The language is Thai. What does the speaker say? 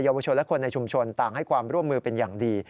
วชนและคนในชุมชนต่างให้ความร่วมมือเป็นอย่างดี